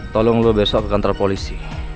tolong dulu besok ke kantor polisi